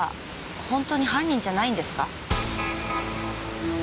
本当に犯人じゃないんですか？